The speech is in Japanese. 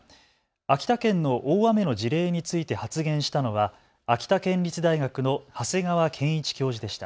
秋田県の大雨の事例について発言したのは秋田県立大学の長谷川兼一教授でした。